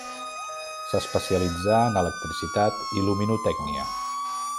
S'especialitzà en electricitat i luminotècnia.